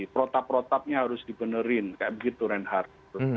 protap protapnya harus dibenerin kayak begitu reinhardt